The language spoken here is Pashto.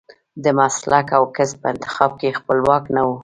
د مسلک او کسب په انتخاب کې خپلواک نه و.